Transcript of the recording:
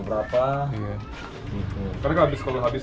karena kalau habis di equity ini udah gak ada lagi ya